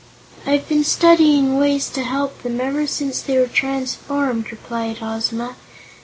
"I've been studying ways to help them, ever since they were transformed," replied Ozma.